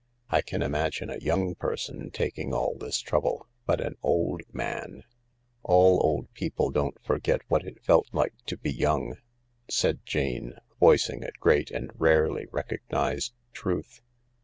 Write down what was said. I can imagine a young person taking all this trouble — but an old, man ,.."" All old people don't forget what it felt like to be young," said Jane, voicing a great and rarely recognised truth.